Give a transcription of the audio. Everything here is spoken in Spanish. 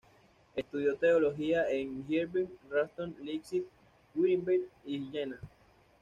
Estudió Teología en Gießen, Rostock, Leipzig, Wittenberg y Jena.